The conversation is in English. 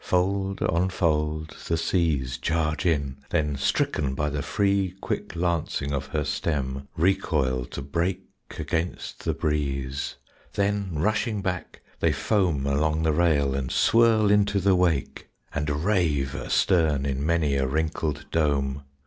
Fold on fold The seas charge in; then stricken by the free Quick lancing of her stem recoil to break Against the breeze; then rushing back they foam Along the rail, and swirl into the wake, And rave astern in many a wrinkled dome.